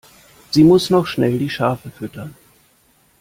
Sie muss noch schnell die Schafe füttern.